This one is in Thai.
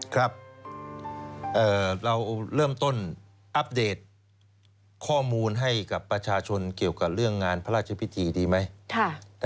ครับเราเริ่มต้นอัปเดตข้อมูลให้กับประชาชนเกี่ยวกับเรื่องงานพระราชพิธีดีไหม